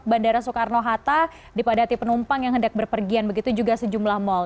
bandara soekarno hatta dipadati penumpang yang hendak berpergian begitu juga sejumlah mal